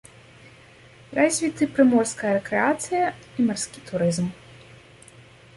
Развіты прыморская рэкрэацыя і марскі турызм.